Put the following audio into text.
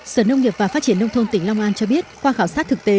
sở nông nghiệp và phát triển nông thôn tỉnh long an cho biết qua khảo sát thực tế